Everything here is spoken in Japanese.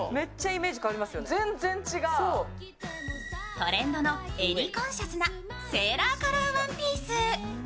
トレンドの襟コンシャスなセーラーカラーワンピース。